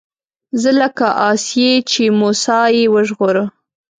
زه لکه آسيې چې موسی يې وژغوره